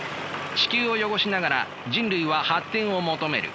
地球を汚しながら人類は発展を求める。